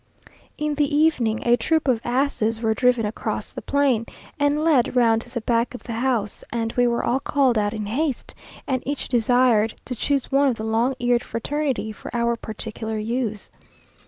In the evening a troop of asses were driven across the plain, and led round to the back of the house; and we were all called out in haste, and each desired to choose one of the long eared fraternity for our particular use.